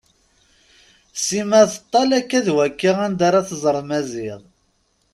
Sima teṭṭal akka d wakka anda ara tẓer Maziɣ.